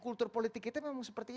kultur politik itu memang sepertinya